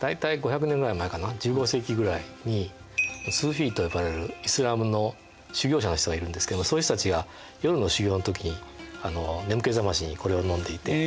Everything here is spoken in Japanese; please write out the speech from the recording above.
１５世紀ぐらいにスーフィーと呼ばれるイスラームの修行者の人がいるんですけどその人たちが夜の修行の時眠気覚ましにこれを飲んでいて。